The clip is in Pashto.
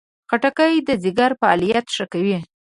خټکی د ځیګر فعالیت ښه کوي.